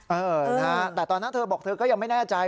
เออนะฮะแต่ตอนนั้นเธอบอกเธอก็ยังไม่แน่ใจ